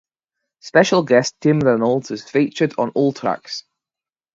Special guest Tim Reynolds is featured on all tracks.